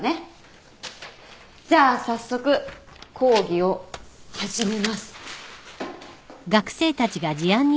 じゃあ早速講義を始めます。